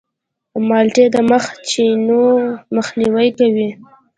مالټې د مخ د چینو مخنیوی کوي.